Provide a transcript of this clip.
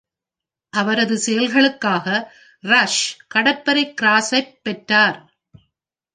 அவரது செயல்களுக்காக, ரஷ் கடற்படை கிராஸைப் பெற்றார்.